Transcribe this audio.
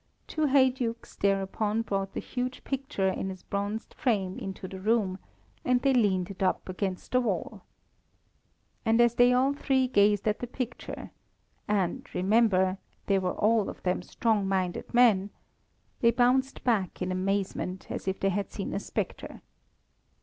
Two heydukes thereupon brought the huge picture in its bronzed frame into the room, and they leaned it up against the wall. And as they all three gazed at the picture and, remember, they were all of them strong minded men they bounced back in amazement, as if they had seen a spectre.